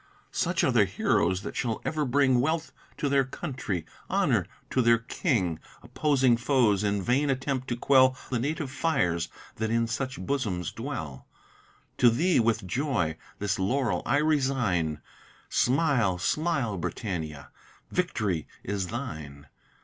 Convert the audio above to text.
Such are the heroes that shall ever bring Wealth to their country, honor to their king: Opposing foes, in vain attempt to quell The native fires that in such bosoms dwell. To thee, with joy, this laurel I resign, Smile, smile, Britannia! victory is thine.